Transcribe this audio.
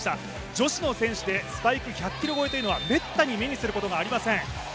女子の選手でスパイク１００キロ超えというのは滅多に目にすることがありません。